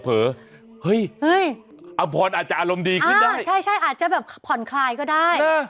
เฮ้ยอำพรอาจจะอารมณ์ดีขึ้นได้ใช่อาจจะแบบผ่อนคลายก็ได้